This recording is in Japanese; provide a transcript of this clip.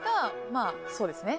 まあ、そうですね。